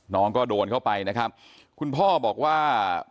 น้องก็โดนเข้าไปนะครับคุณพ่อบอกว่า